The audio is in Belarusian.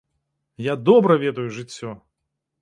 Я добра ведаю жыццё!